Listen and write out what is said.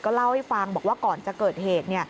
เล่าให้ฟังบอกว่าก่อนจะเกิดเหตุ